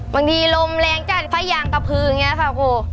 บางทีลมแรงจากผ้ายางกระพืออย่างเงี้ยค่ะโห